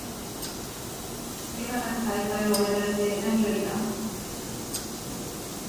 ケガなく大会を終えられてなによりだ